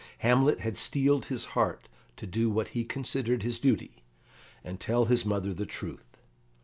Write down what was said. Hamlet had steeled his heart to do what he considered his duty, and tell his mother the truth.